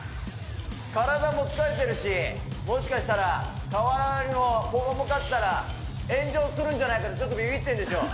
体も疲れてるし、もしかしたら瓦割りもここも勝ったら炎上するんじゃないかと、ちょっとびびってるんでしょ。